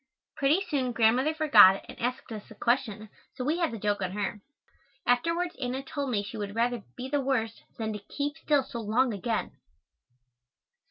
Pretty soon Grandmother forgot and asked us a question, so we had the joke on her. Afterwards Anna told me she would rather "be the worst," than to keep still so long again.